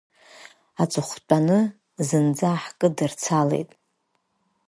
Аҵыхәтәаны зынӡа ҳкыдырцалеит.